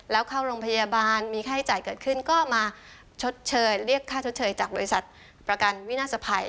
แล้วเข้าโรงพยาบาลมีค่าใช้จ่ายเกิดขึ้นก็มาชดเชยเรียกค่าชดเชยจากบริษัทประกันวินาศภัย